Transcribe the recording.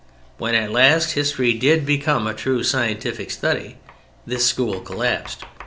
When at last history did become a true scientific study, this school collapsed.